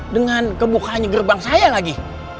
dengan kebukaannya gerbang saya lagi